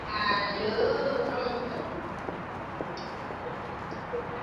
wa kupunguza uchafuzi wa hewa na kuanzisha mfumo wa